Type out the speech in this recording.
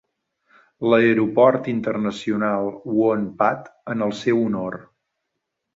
L'aeroport internacional Won Pat en el seu honor.